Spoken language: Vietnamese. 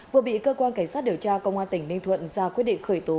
vừa bị cơ quan cảnh sát điều tra công an tỉnh ninh thuận ra quyết định khởi tố